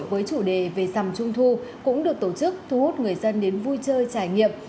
với chủ đề về rằm trung thu cũng được tổ chức thu hút người dân đến vui chơi trải nghiệm